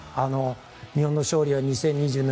日本の勝利は２０２２年